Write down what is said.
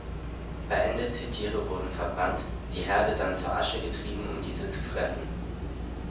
Verendete Tiere wurden verbrannt, die Herde dann zur Asche getrieben um diese zu fressen.